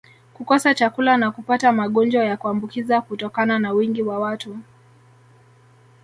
kukosa chakula na kupata magonjwa ya kuambukiza kutokana na wingi wa watu